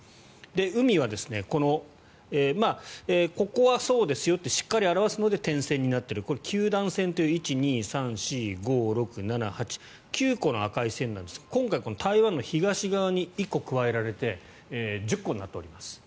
海は、ここはそうですよとしっかり表すので点線になっているこれ、九段線という９個の赤い線なんですが今回、この台湾の東側に１個加えられて１０個になっております。